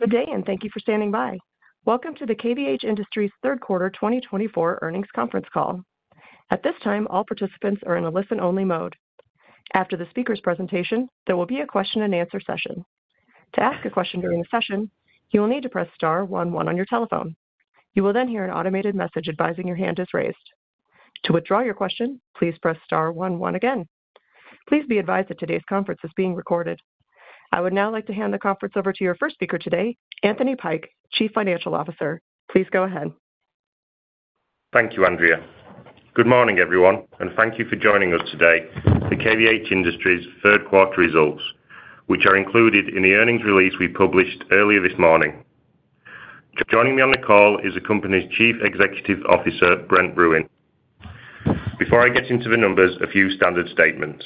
Good day, and thank you for standing by. Welcome to the KVH Industries' Third Quarter 2024 Earnings Conference Call. At this time, all participants are in a listen-only mode. After the speaker's presentation, there will be a question-and-answer session. To ask a question during the session, you will need to press star 11 on your telephone. You will then hear an automated message advising your hand is raised. To withdraw your question, please press star 11 again. Please be advised that today's conference is being recorded. I would now like to hand the conference over to your first speaker today, Anthony Pike, Chief Financial Officer. Please go ahead. Thank you, Andrea. Good morning, everyone, and thank you for joining us today for KVH Industries' Third Quarter results, which are included in the earnings release we published earlier this morning. Joining me on the call is the company's Chief Executive Officer, Brent Bruun. Before I get into the numbers, a few standard statements.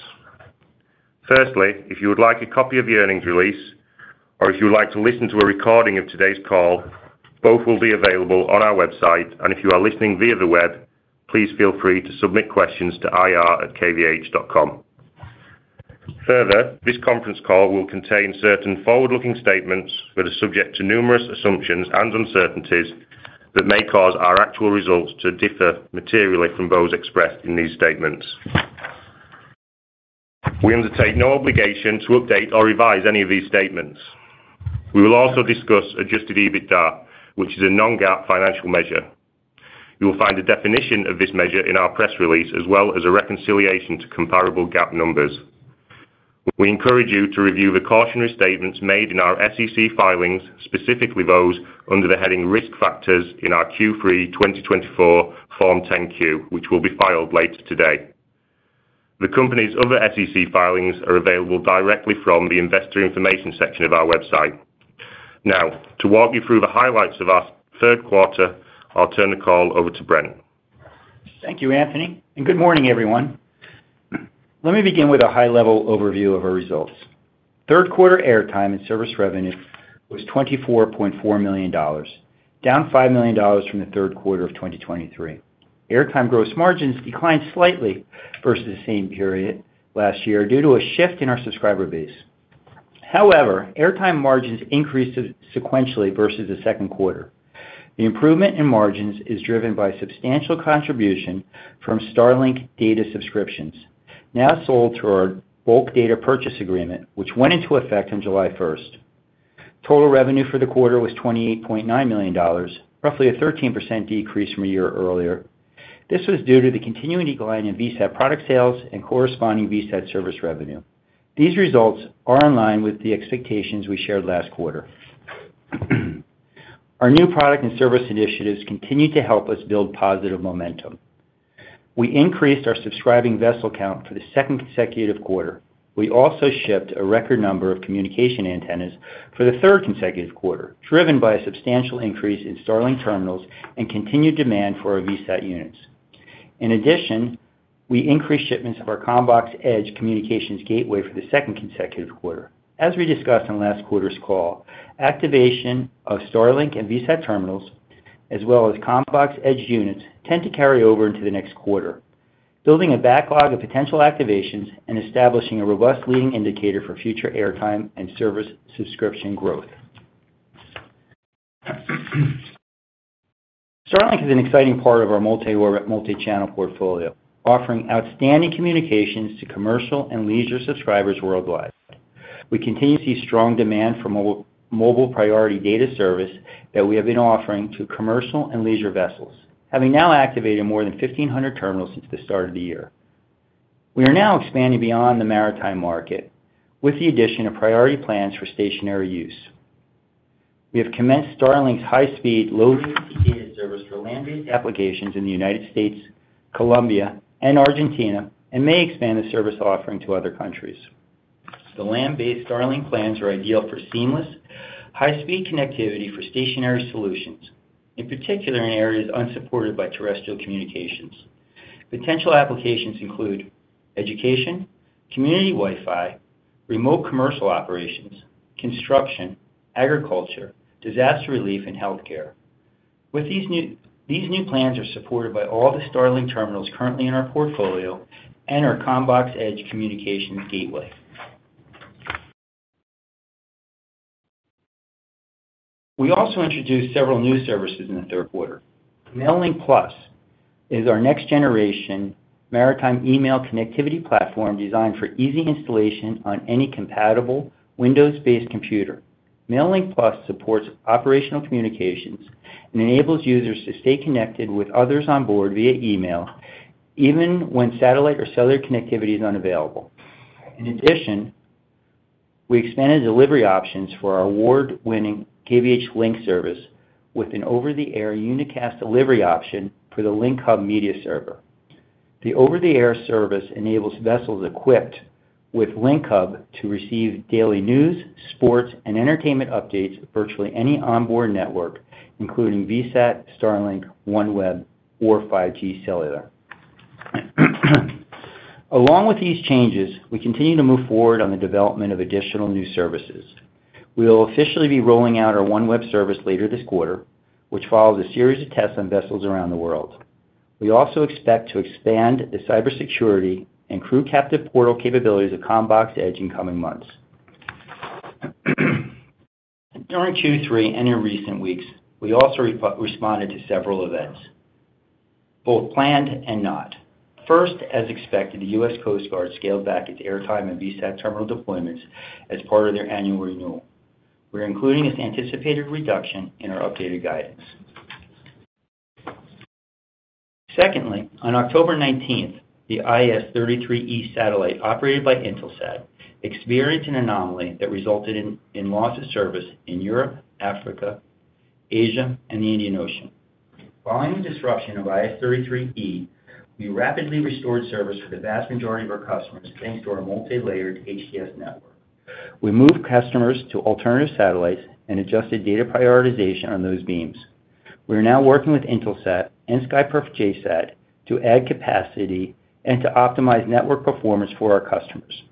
Firstly, if you would like a copy of the earnings release, or if you would like to listen to a recording of today's call, both will be available on our website, and if you are listening via the web, please feel free to submit questions to ir@kvh.com. Further, this conference call will contain certain forward-looking statements that are subject to numerous assumptions and uncertainties that may cause our actual results to differ materially from those expressed in these statements. We undertake no obligation to update or revise any of these statements. We will also discuss Adjusted EBITDA, which is a non-GAAP financial measure. You will find a definition of this measure in our press release, as well as a reconciliation to comparable GAAP numbers. We encourage you to review the cautionary statements made in our SEC filings, specifically those under the heading Risk Factors in our Q3 2024 Form 10-Q, which will be filed later today. The company's other SEC filings are available directly from the Investor Information section of our website. Now, to walk you through the highlights of our third quarter, I'll turn the call over to Brent. Thank you, Anthony, and good morning, everyone. Let me begin with a high-level overview of our results. Third quarter airtime and service revenue was $24.4 million, down $5 million from the third quarter of 2023. Airtime gross margins declined slightly versus the same period last year due to a shift in our subscriber base. However, airtime margins increased sequentially versus the second quarter. The improvement in margins is driven by substantial contribution from Starlink data subscriptions, now sold through our bulk data purchase agreement, which went into effect on July 1st. Total revenue for the quarter was $28.9 million, roughly a 13% decrease from a year earlier. This was due to the continuing decline in VSAT product sales and corresponding VSAT service revenue. These results are in line with the expectations we shared last quarter. Our new product and service initiatives continue to help us build positive momentum. We increased our subscribing vessel count for the second consecutive quarter. We also shipped a record number of communication antennas for the third consecutive quarter, driven by a substantial increase in Starlink terminals and continued demand for our VSAT units. In addition, we increased shipments of our Commbox Edge communications gateway for the second consecutive quarter. As we discussed in last quarter's call, activation of Starlink and VSAT terminals, as well as Commbox Edge units, tend to carry over into the next quarter, building a backlog of potential activations and establishing a robust leading indicator for future airtime and service subscription growth. Starlink is an exciting part of our multi-channel portfolio, offering outstanding communications to commercial and leisure subscribers worldwide. We continue to see strong demand for mobile priority data service that we have been offering to commercial and leisure vessels, having now activated more than 1,500 terminals since the start of the year. We are now expanding beyond the maritime market with the addition of priority plans for stationary use. We have commenced Starlink's high-speed, low-latency data service for land-based applications in the United States, Colombia, and Argentina, and may expand the service offering to other countries. The land-based Starlink plans are ideal for seamless, high-speed connectivity for stationary solutions, in particular in areas unsupported by terrestrial communications. Potential applications include education, community Wi-Fi, remote commercial operations, construction, agriculture, disaster relief, and healthcare. With these new plans, we are supported by all the Starlink terminals currently in our portfolio and our Commbox Edge communications gateway. We also introduced several new services in the third quarter. MAILlink Plus is our next-generation maritime email connectivity platform designed for easy installation on any compatible Windows-based computer. MAILlink Plus supports operational communications and enables users to stay connected with others on board via email, even when satellite or cellular connectivity is unavailable. In addition, we expanded delivery options for our award-winning KVH Link service with an over-the-air unicast delivery option for the LinkHUB media server. The over-the-air service enables vessels equipped with LinkHUB to receive daily news, sports, and entertainment updates via virtually any onboard network, including VSAT, Starlink, OneWeb, or 5G cellular. Along with these changes, we continue to move forward on the development of additional new services. We will officially be rolling out our OneWeb service later this quarter, which follows a series of tests on vessels around the world. We also expect to expand the cybersecurity and crew-captive portal capabilities of CommBox Edge in coming months. During Q3 and in recent weeks, we also responded to several events, both planned and not. First, as expected, the U.S. Coast Guard scaled back its airtime and VSAT terminal deployments as part of their annual renewal. We are including this anticipated reduction in our updated guidance. Secondly, on October 19th, the IS-33e satellite operated by Intelsat experienced an anomaly that resulted in loss of service in Europe, Africa, Asia, and the Indian Ocean. Following the disruption of IS-33e, we rapidly restored service for the vast majority of our customers thanks to our multi-layered HTS network. We moved customers to alternative satellites and adjusted data prioritization on those beams. We are now working with Intelsat and SKY Perfect JSAT to add capacity and to optimize network performance for our customers.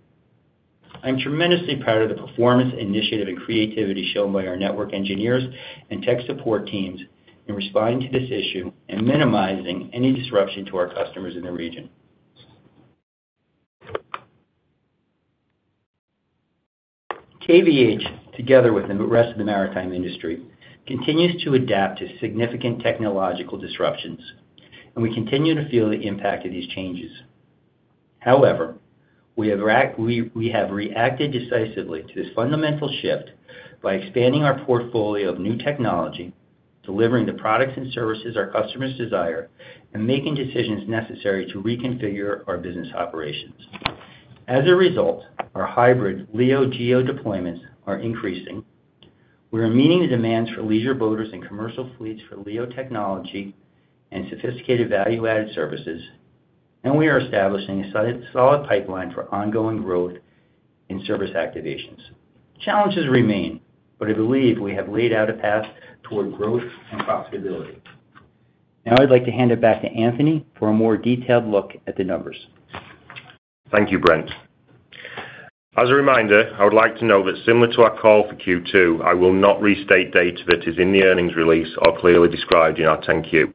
I'm tremendously proud of the performance initiative and creativity shown by our network engineers and tech support teams in responding to this issue and minimizing any disruption to our customers in the region. KVH, together with the rest of the maritime industry, continues to adapt to significant technological disruptions, and we continue to feel the impact of these changes. However, we have reacted decisively to this fundamental shift by expanding our portfolio of new technology, delivering the products and services our customers desire, and making decisions necessary to reconfigure our business operations. As a result, our hybrid LEO-GEO deployments are increasing. We are meeting the demands for leisure boaters and commercial fleets for LEO technology and sophisticated value-added services, and we are establishing a solid pipeline for ongoing growth in service activations. Challenges remain, but I believe we have laid out a path toward growth and profitability. Now, I'd like to hand it back to Anthony for a more detailed look at the numbers. Thank you, Brent. As a reminder, I would like to note that, similar to our call for Q2, I will not restate data that is in the earnings release or clearly described in our 10-Q.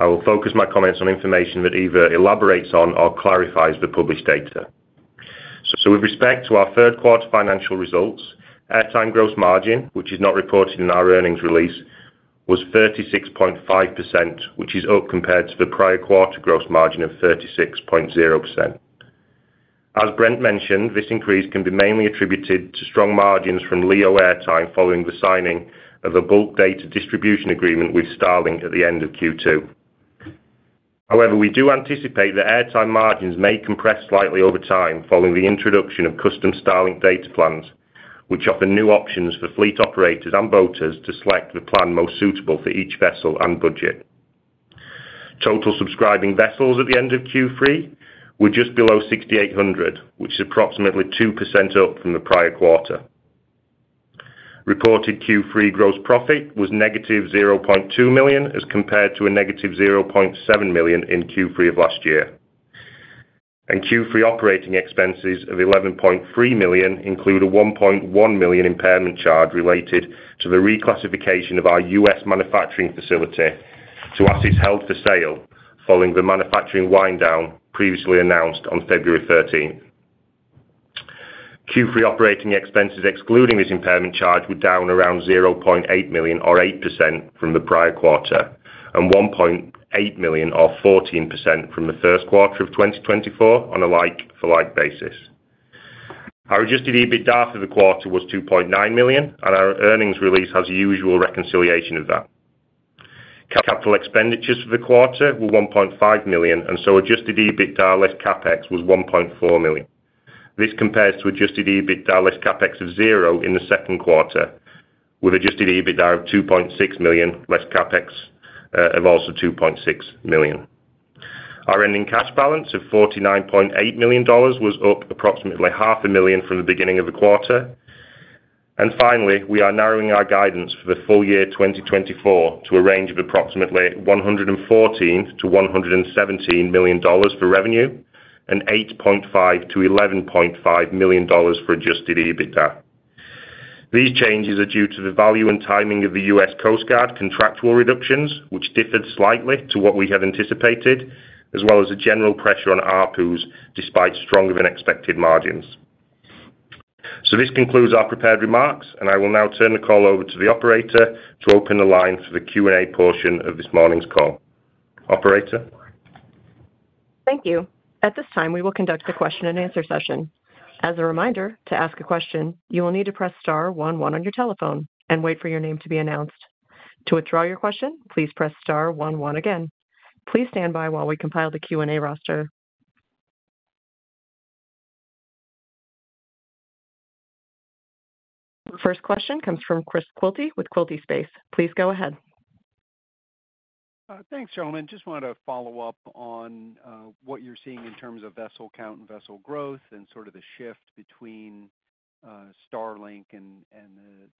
I will focus my comments on information that either elaborates on or clarifies the published data. So, with respect to our third quarter financial results, airtime gross margin, which is not reported in our earnings release, was 36.5%, which is up compared to the prior quarter gross margin of 36.0%. As Brent mentioned, this increase can be mainly attributed to strong margins from LEO airtime following the signing of a bulk data distribution agreement with Starlink at the end of Q2. However, we do anticipate that airtime margins may compress slightly over time following the introduction of custom Starlink data plans, which offer new options for fleet operators and boaters to select the plan most suitable for each vessel and budget. Total subscribing vessels at the end of Q3 were just below 6,800, which is approximately 2% up from the prior quarter. Reported Q3 gross profit was negative $0.2 million as compared to a negative $0.7 million in Q3 of last year, and Q3 operating expenses of $11.3 million include a $1.1 million impairment charge related to the reclassification of our U.S. manufacturing facility to assets held for sale following the manufacturing wind-down previously announced on February 13th. Q3 operating expenses excluding this impairment charge were down around $0.8 million, or 8%, from the prior quarter, and $1.8 million, or 14%, from the first quarter of 2024 on a like-for-like basis. Our Adjusted EBITDA for the quarter was $2.9 million, and our earnings release has a usual reconciliation of that. Capital expenditures for the quarter were $1.5 million, and so Adjusted EBITDA less CapEx was $1.4 million. This compares to Adjusted EBITDA less CapEx of $0 in the second quarter, with Adjusted EBITDA of $2.6 million less CapEx of also $2.6 million. Our ending cash balance of $49.8 million was up approximately $500,000 from the beginning of the quarter. And finally, we are narrowing our guidance for the full year 2024 to a range of approximately $114-$117 million for revenue and $8.5-$11.5 million for Adjusted EBITDA. These changes are due to the value and timing of the U.S. Coast Guard contractual reductions, which differed slightly to what we had anticipated, as well as the general pressure on ARPUs despite stronger-than-expected margins. So, this concludes our prepared remarks, and I will now turn the call over to the operator to open the line for the Q&A portion of this morning's call. Operator. Thank you. At this time, we will conduct the question-and-answer session. As a reminder, to ask a question, you will need to press star 11 on your telephone and wait for your name to be announced. To withdraw your question, please press star 11 again. Please stand by while we compile the Q&A roster. The first question comes from Chris Quilty with Quilty Space. Please go ahead. Thanks, gentlemen. Just wanted to follow up on what you're seeing in terms of vessel count and vessel growth and sort of the shift between Starlink and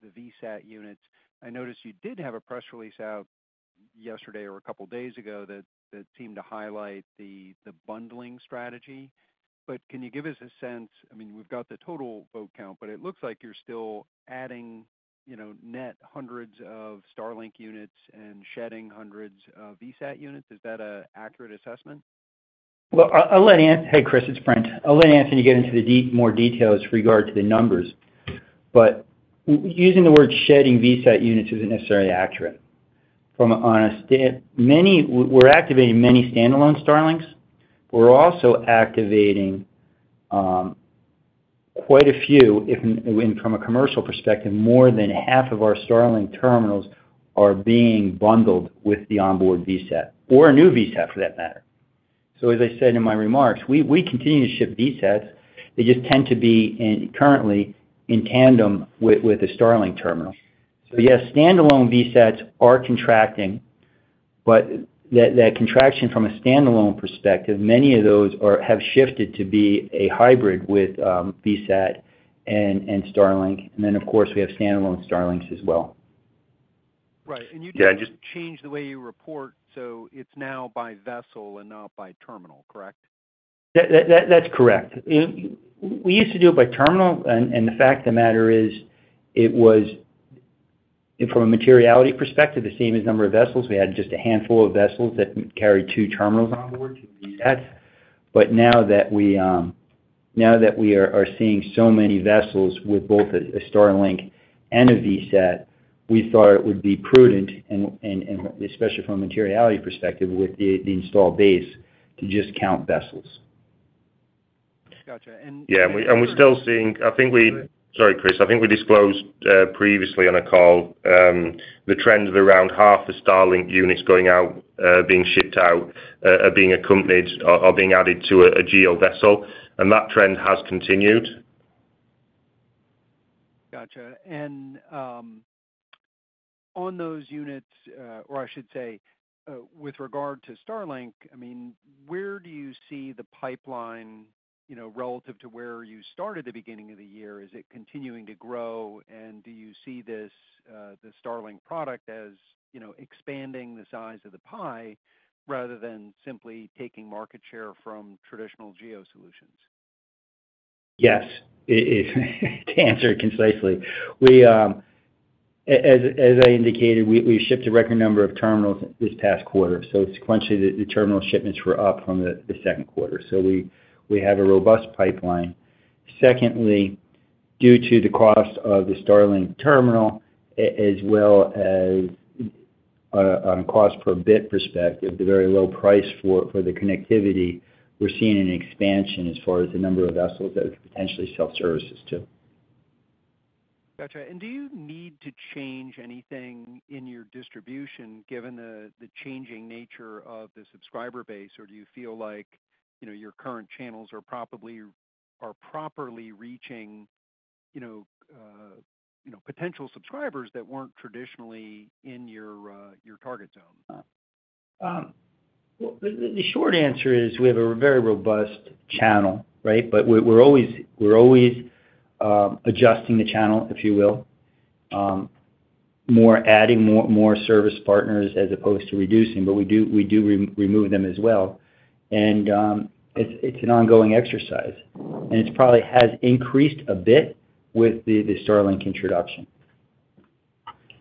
the VSAT units. I noticed you did have a press release out yesterday or a couple of days ago that seemed to highlight the bundling strategy. But can you give us a sense. I mean, we've got the total boat count, but it looks like you're still adding net hundreds of Starlink units and shedding hundreds of VSAT units. Is that an accurate assessment? I'll let Anthony—hey, Chris, it's Brent. I'll let Anthony get into the more details with regard to the numbers. But using the word "shedding VSAT units" isn't necessarily accurate. We're activating many standalone Starlinks. We're also activating quite a few, and from a commercial perspective, more than half of our Starlink terminals are being bundled with the onboard VSAT or a new VSAT, for that matter. So, as I said in my remarks, we continue to ship VSATs. They just tend to be currently in tandem with a Starlink terminal. So, yes, standalone VSATs are contracting, but that contraction from a standalone perspective, many of those have shifted to be a hybrid with VSAT and Starlink. And then, of course, we have standalone Starlinks as well. Right. And you didn't just change the way you report, so it's now by vessel and not by terminal, correct? That's correct. We used to do it by terminal, and the fact of the matter is it was, from a materiality perspective, the same as number of vessels. We had just a handful of vessels that carried two terminals on board, two VSATs. But now that we are seeing so many vessels with both a Starlink and a VSAT, we thought it would be prudent, especially from a materiality perspective with the installed base, to just count vessels. Gotcha. And. Yeah. And we're still seeing. Sorry, Chris. I think we disclosed previously on a call the trend of around half the Starlink units going out, being shipped out, being accompanied or being added to a GEO vessel. And that trend has continued. Gotcha. And on those units, or I should say, with regard to Starlink, I mean, where do you see the pipeline relative to where you started the beginning of the year? Is it continuing to grow? And do you see the Starlink product as expanding the size of the pie rather than simply taking market share from traditional GEO solutions? Yes. To answer it concisely, as I indicated, we've shipped a record number of terminals this past quarter. So, sequentially, the terminal shipments were up from the second quarter. So, we have a robust pipeline. Secondly, due to the cost of the Starlink terminal, as well as on a cost-per-bit perspective, the very low price for the connectivity, we're seeing an expansion as far as the number of vessels that could potentially sell services to. Gotcha. And do you need to change anything in your distribution given the changing nature of the subscriber base, or do you feel like your current channels are properly reaching potential subscribers that weren't traditionally in your target zone? The short answer is we have a very robust channel, right? But we're always adjusting the channel, if you will, adding more service partners as opposed to reducing, but we do remove them as well, and it's an ongoing exercise, and it probably has increased a bit with the Starlink introduction,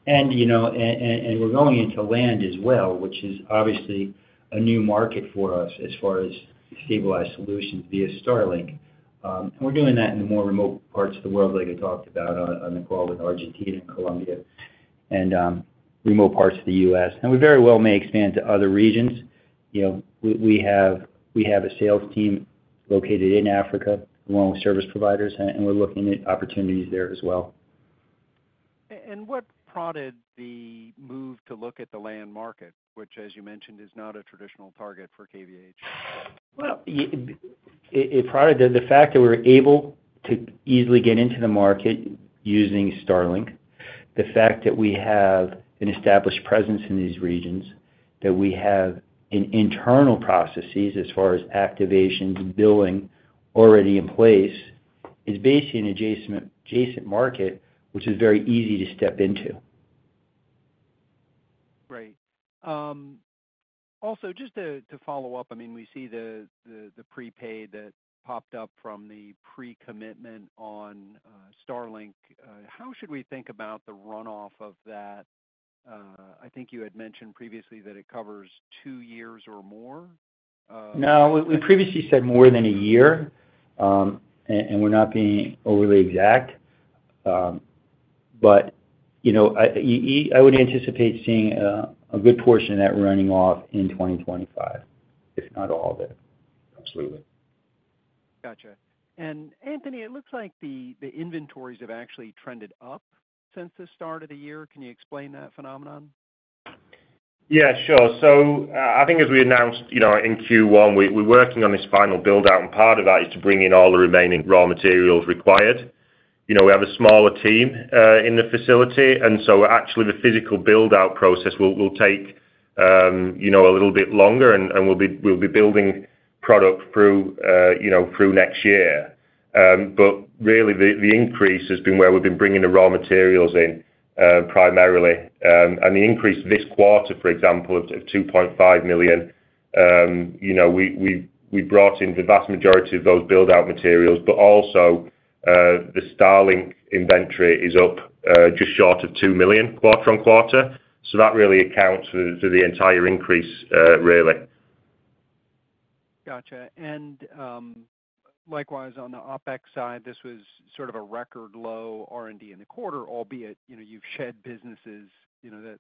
and we're going into land as well, which is obviously a new market for us as far as stabilized solutions via Starlink, and we're doing that in the more remote parts of the world, like I talked about on the call with Argentina and Colombia and remote parts of the U.S., and we very well may expand to other regions. We have a sales team located in Africa along with service providers, and we're looking at opportunities there as well. What prompted the move to look at the land market, which, as you mentioned, is not a traditional target for KVH? It prompted the fact that we're able to easily get into the market using Starlink, the fact that we have an established presence in these regions, that we have internal processes as far as activations and billing already in place is basically an adjacent market, which is very easy to step into. Right. Also, just to follow up, I mean, we see the prepaid that popped up from the pre-commitment on Starlink. How should we think about the runoff of that? I think you had mentioned previously that it covers two years or more. No. We previously said more than a year, and we're not being overly exact. But I would anticipate seeing a good portion of that running off in 2025, if not all of it. Absolutely. Gotcha. And Anthony, it looks like the inventories have actually trended up since the start of the year. Can you explain that phenomenon? Yeah. Sure. I think as we announced in Q1, we're working on this final build-out, and part of that is to bring in all the remaining raw materials required. We have a smaller team in the facility, and so actually the physical build-out process will take a little bit longer, and we'll be building product through next year. But really, the increase has been where we've been bringing the raw materials in primarily. And the increase this quarter, for example, of $2.5 million, we brought in the vast majority of those build-out materials, but also the Starlink inventory is up just short of $2 million quarter on quarter. So, that really accounts for the entire increase, really. Gotcha. And likewise, on the OPEX side, this was sort of a record low R&D in the quarter, albeit you've shed businesses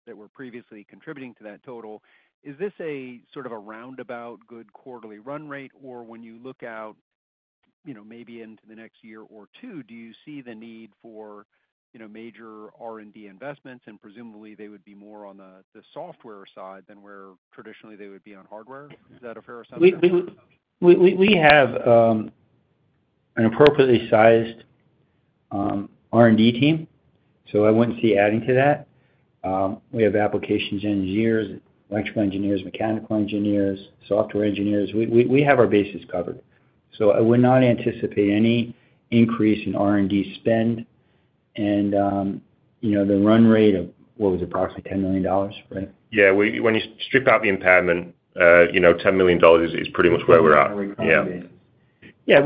that were previously contributing to that total. Is this a sort of a roundabout good quarterly run rate, or when you look out maybe into the next year or two, do you see the need for major R&D investments, and presumably they would be more on the software side than where traditionally they would be on hardware? Is that a fair assessment? We have an appropriately sized R&D team, so I wouldn't see adding to that. We have applications engineers, electrical engineers, mechanical engineers, software engineers. We have our bases covered. So, I would not anticipate any increase in R&D spend. And the run rate of what was approximately $10 million, right? Yeah. When you strip out the impairment, $10 million is pretty much where we're at. Yeah.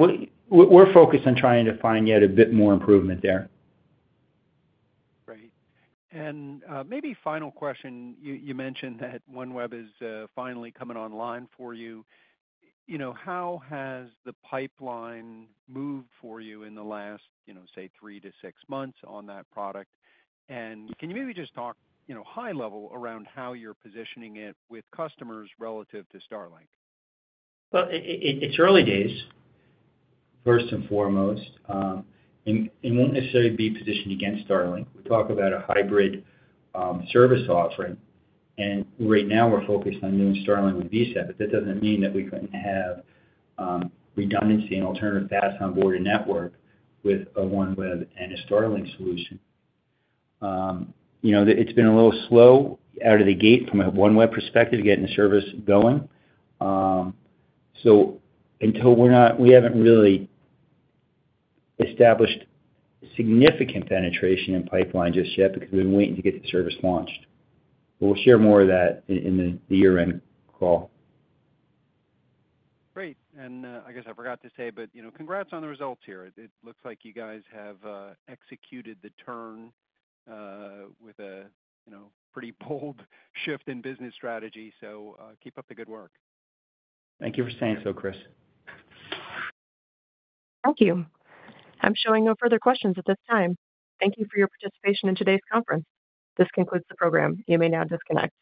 We're focused on trying to find yet a bit more improvement there. Right. And maybe final question. You mentioned that OneWeb is finally coming online for you. How has the pipeline moved for you in the last, say, three to six months on that product? And can you maybe just talk high level around how you're positioning it with customers relative to Starlink? It's early days, first and foremost. It won't necessarily be positioned against Starlink. We talk about a hybrid service offering. Right now, we're focused on doing Starlink with VSAT, but that doesn't mean that we couldn't have redundancy and alternative paths onboard a network with a OneWeb and a Starlink solution. It's been a little slow out of the gate from a OneWeb perspective getting the service going. We haven't really established significant penetration in pipeline just yet because we've been waiting to get the service launched. We'll share more of that in the year-end call. Great. And I guess I forgot to say, but congrats on the results here. It looks like you guys have executed the turn with a pretty bold shift in business strategy. So, keep up the good work. Thank you for saying so, Chris. Thank you. I'm showing no further questions at this time. Thank you for your participation in today's conference. This concludes the program. You may now disconnect.